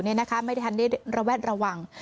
ไม่ได้ทำอะไรระแวดระวัง